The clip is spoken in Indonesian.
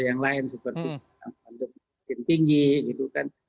yang lain seperti pandemi yang tinggi gitu kan